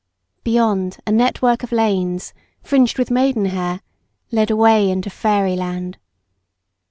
Beyond, a network of lanes, fringed with maiden hair, led away into fairyland.